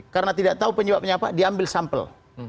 karena tidak tahu penyebabnya apa diambil sampel